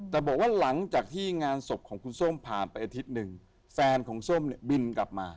แต่บอกว่าหลังจากที่งานศพของคุณส้มผ่านไปอาทิตย์หนึ่งแฟนของส้มเนี่ยบินกลับมา